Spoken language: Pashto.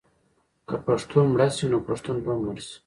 که پښتو مړه شي نو پښتون به هم مړ شي.